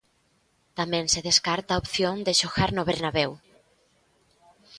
Tamén se descarta a opción de xogar no Bernabéu.